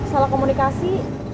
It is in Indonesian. maaf salah komunikasi